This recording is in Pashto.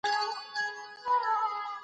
د لاسي کارونو زده کړه ستونزمنه نه ده.